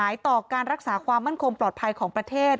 เกิดความเสียหายต่อการรักษาความมั่นคมปลอดภัยของประเทศ